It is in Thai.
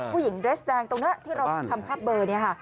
ผู้หญิงเดรสแดงตรงหน้าที่เราทำภาพเบอร์นี่ค่ะ